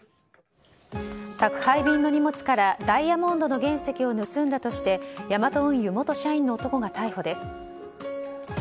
宅配便の荷物からダイヤモンドの原石を盗んだとしてヤマト運輸元社員の男が逮捕です。